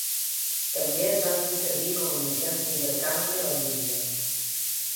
També es van fer servir com a mitjans d'intercanvi a la India.